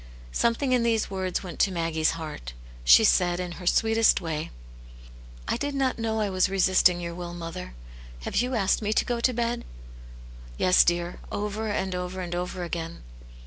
Something in these Words went to Maggie's heart. She said, in her sweetest way, 153 Atcnt Janets Hero. *' I did not know I was resisting your will, mother. Have you asked me to go bed?" " Yes, dear, over and over and over again."